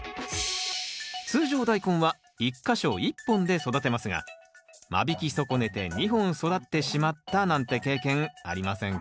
通常ダイコンは１か所１本で育てますが間引き損ねて２本育ってしまったなんて経験ありませんか？